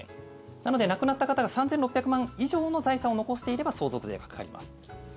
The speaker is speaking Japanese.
なので、亡くなった方が３６００万以上の財産を残していれば相続税がかかります。